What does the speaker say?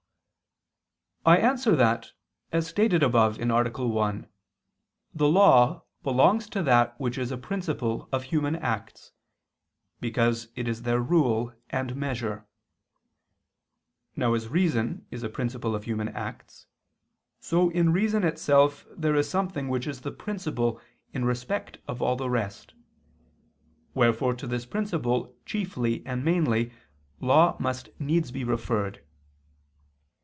I answer that, As stated above (A. 1), the law belongs to that which is a principle of human acts, because it is their rule and measure. Now as reason is a principle of human acts, so in reason itself there is something which is the principle in respect of all the rest: wherefore to this principle chiefly and mainly law must needs be referred.